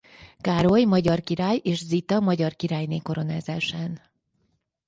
Károly magyar király és Zita magyar királyné koronázásán.